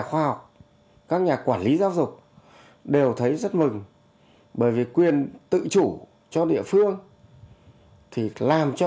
khoa học các nhà quản lý giáo dục đều thấy rất mừng bởi vì quyền tự chủ cho địa phương thì làm cho